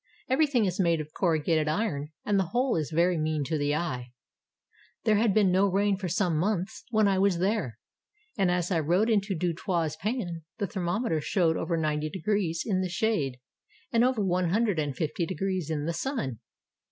Everything is made of corrugated iron and the whole is very mean to the eye. There had been no rain for some months when I was there, and as I rode into Du Toit's Pan the thermometer showed over 90° in the shade, and over 150° in the sun.